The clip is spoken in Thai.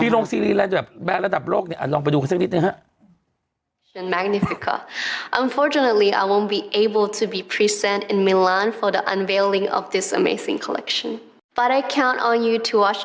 ที่โรงซีรีส์และแบบแบบระดับโลกเนี่ยอ่านลองไปดูกันสักนิดหนึ่งฮะ